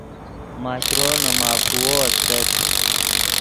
ماشرو نے ماکوؤ استت